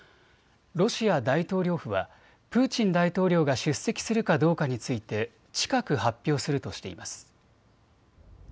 ロシア大統領府はプーチン大統領が出席するかどうかについて近く発表するとしています。